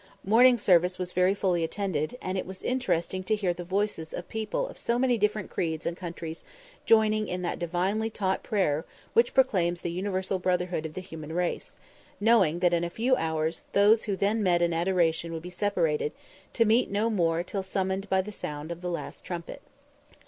Morning service was very fully attended, and it was interesting to hear the voices of people of so many different creeds and countries joining in that divinely taught prayer which proclaims the universal brotherhood of the human race, knowing that in a few hours those who then met in adoration would be separated, to meet no more till summoned by the sound of the last trumpet.